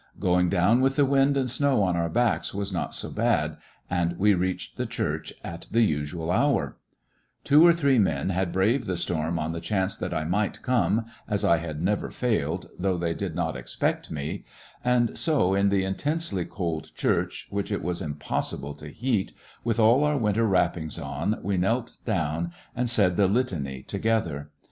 Groing down with the wind and snow on onr backs was not so bad^ and we reached the church at the usual hour, /ticw^ the Two or three men had braved the storm on the chance that I might come, as I had never failed, though they did not expect me ; and so, in the intensely cold church, which it was im possible to heat, with all our winter wrap pings on, we knelt down and said the Litany together.